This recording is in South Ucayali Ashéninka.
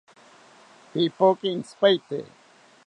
Pipoki intzipaete